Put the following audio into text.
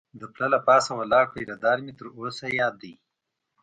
د پله له پاسه ولاړ پیره دار مې تر اوسه یاد دی.